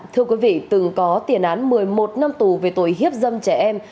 thưa quý vị từng có tiền án một mươi một năm tù về tội hiếp dâm trẻ em